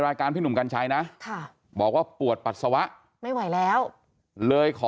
พี่หนุ่มกัญชัยนะบอกว่าปวดปัสสาวะไม่ไหวแล้วเลยขอ